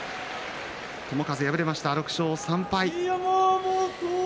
友風敗れました、６勝３敗。